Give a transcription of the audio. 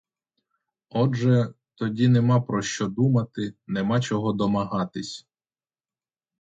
Отже, тоді нема про що думати, нема чого домагатись.